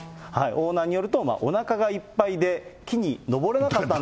オーナーによると、おなかがいっぱいで、木に登れなかったんだ。